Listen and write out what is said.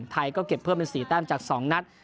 ไทยก็เก็บเพิ่มเป็น๔แต้มจาก๒นัด